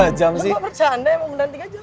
lu nggak bercanda ya mau menahan tiga jam